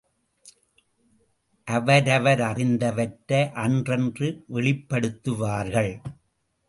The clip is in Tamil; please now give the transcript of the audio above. அவரவரறிந்தவற்றை அன்றன்று வெளிப்படுத்துவார்கள்.